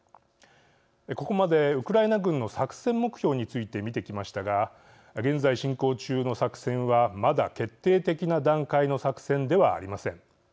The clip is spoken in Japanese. ここまでウクライナ軍の作戦目標について見てきましたが現在進行中の作戦はまだ決定的な段階の作戦ではありません。